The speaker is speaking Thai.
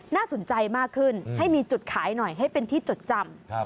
น่าสนใจมากขึ้นให้มีจุดขายหน่อยให้เป็นที่จดจำ